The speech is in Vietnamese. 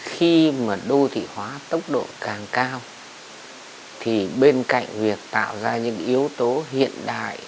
khi mà đô thị hóa tốc độ càng cao thì bên cạnh việc tạo ra những yếu tố hiện đại